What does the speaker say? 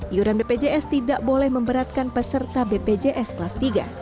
iuran bpjs tidak boleh memberatkan peserta bpjs kelas tiga